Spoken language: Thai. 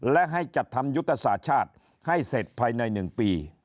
และให้จัดทำยุทธศาสตร์ชาติให้เสร็จภายใน๑ปี